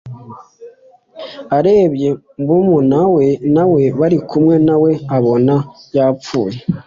arebye murumuna we nawe bari kumwe nawe abona yapfuye